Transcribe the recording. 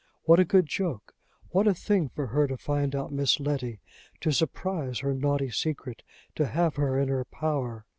what a good joke! what a thing for her to find out Miss Letty; to surprise her naughty secret! to have her in her power!